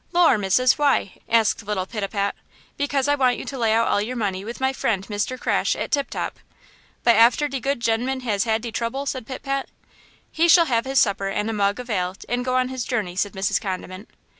"Lor' missus, why?" asked little Pitapat. "Because I want you to lay out all your money with my friend Mr. Crash at Tip Top." "But after de good gemman has had de trouble?" said Pitapat. "He shall have his supper and a mug of ale and go on his journey," said Mrs. Condiment.